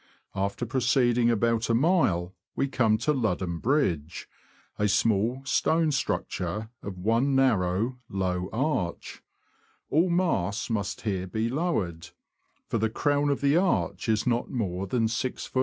After proceeding about a mile, we come to Ludham Bridge — a small, stone structure of one narrow, low arch ; all masts must here be lowered, for the crown of the arch is not more than 6ft.